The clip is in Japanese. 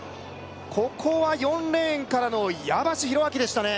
ここは４レーンからの矢橋寛明でしたね